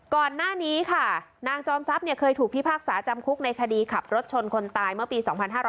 ก่อนหน้านี้ค่ะนางจอมทรัพย์เคยถูกพิพากษาจำคุกในคดีขับรถชนคนตายเมื่อปี๒๕๕๙